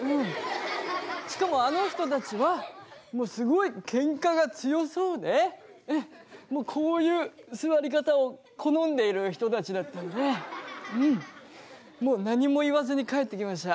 しかもあの人たちはもうすごいけんかが強そうでもうこういう座り方を好んでいる人たちだったのでもう何も言わずに帰ってきました。